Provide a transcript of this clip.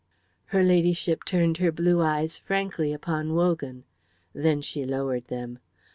Her Ladyship turned her blue eyes frankly upon Wogan. Then she lowered them.